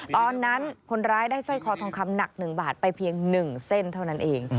ตอนนั้นคนร้ายได้สร้อยคอทองคำหนัก๑บาทไปเพียง๑เส้นเท่านั้นเอง